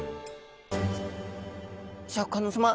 シャーク香音さま